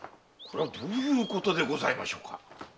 これはどういうことでございましょうか？